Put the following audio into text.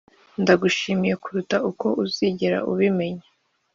ndagushimiye kuruta uko uzigera ubimenya.